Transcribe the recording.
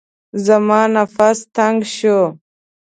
زما نفس تنګ شو.